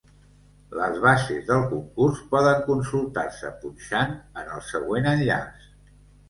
Les bases del concurs poden consultar-se punxant en el següent enllaç.